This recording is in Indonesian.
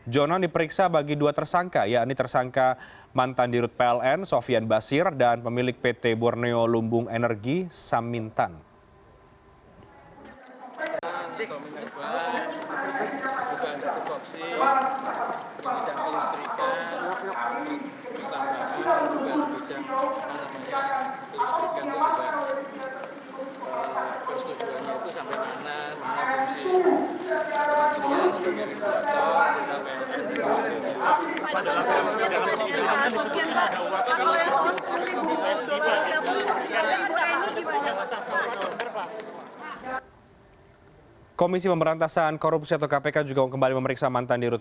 jonan diperiksa bagi dua tersangka yakni tersangka mantan dirut pln sofian basir dan pemilik pt borneo lumbung energi sam mintan